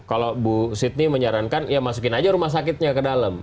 kalau bu sydney menyarankan ya masukin aja rumah sakitnya ke dalam